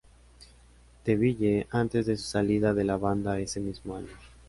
DeVille antes de su salida de la banda ese mismo año.